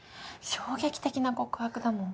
衝撃的な告白だもん。